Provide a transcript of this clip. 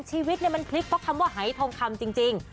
ชีวิตมันพลิกเพราะคำว่าหายทองคำจริง